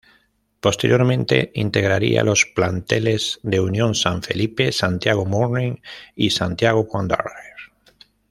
Posteriormente integraría los planteles de Unión San Felipe, Santiago Morning y Santiago Wanderers.